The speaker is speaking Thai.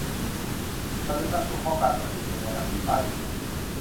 เราจะตั้งหัวข้อการประชุมอย่างไร อภิปรายอย่างไร